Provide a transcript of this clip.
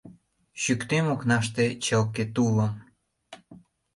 Чÿктем окнаште чылке тулым –